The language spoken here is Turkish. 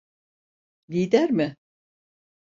Lider mi?